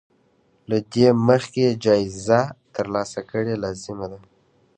له دې مخکې چې جايزه ترلاسه کړې لازمه ده.